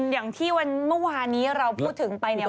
อย่างที่วันเมื่อวานนี้เราพูดถึงไปเนี่ย